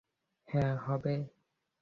হ্যাঁ, হবে।